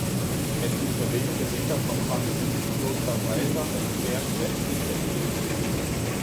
Es liegt nur wenige Meter vom Karmeliten-Kloster Reisach entfernt westlich des Inns.